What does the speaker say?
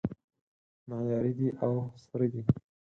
معیاري دی او سره دی